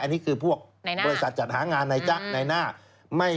อันนี้คือพวกบริษัทจัดหางานในจ๊ะในหน้า